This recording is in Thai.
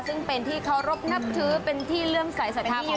ซึ่งเป็นที่เขารบนับทื้อเป็นที่เรื่องสายสะท้าของพ่อแม่ค่ะ